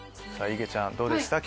いげちゃんどうでした？